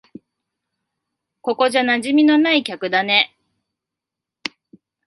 ここじゃ馴染みのない客だね。